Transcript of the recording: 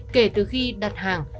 kể từ khi đặt hàng